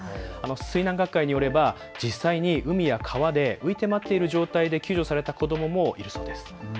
水難学会によれば実際に海や川で浮いて待っている状態で救助された子どももいるそうです。